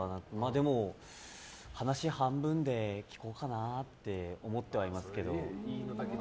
でも、話半分で聞こうかなって思ってはいますけど。